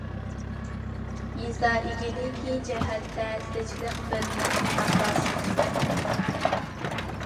يېزا ئىگىلىك جەھەتتە زىچلىق بىر مۇھىم ئاساس.